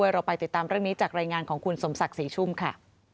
เราไปติดตามเรื่องนี้จากรายงานของคุณสมศักดิ์ศรีชุ่มค่ะ